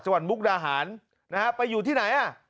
จังหวัดมุกดาหารนะครับไปอยู่ที่ไหนอ่ะ